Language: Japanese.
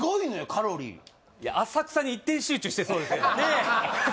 カロリー浅草に一点集中してそうですね